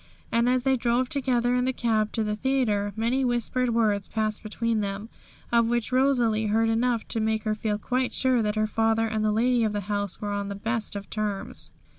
And as they drove together in the cab to the theatre, many whispered words passed between them, of which Rosalie heard enough to make her feel quite sure that her father and the lady of the house were on the best of terms.